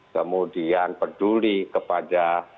kemudian peduli kepada